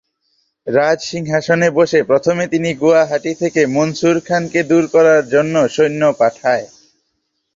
রাজসিংহাসনে বসে প্রথমে তিনি গুয়াহাটি থেকে মনসুর খানকে দূর করার জন্য সৈন্য পাঠায়।